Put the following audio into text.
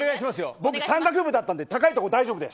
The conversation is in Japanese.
僕山岳部だったので高い所大丈夫です。